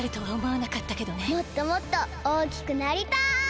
もっともっとおおきくなりたい！